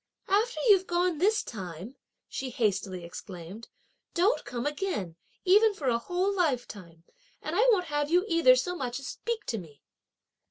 "After you've gone this time," she hastily exclaimed, "don't come again, even for a whole lifetime; and I won't have you either so much as speak to me!"